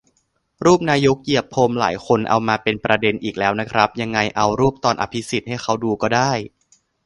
รูปนายกเหยียบพรมหลายคนเอามาเป็นประเด็นอีกแล้วนะครับ ยังไงเอารูปตอนอภิสิทธิ์ให้เค้าดูก็ได้